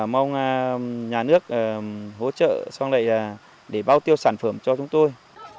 mong nhà nước hỗ trợ xong lại để bao tiêu sản phẩm cho chúng tôi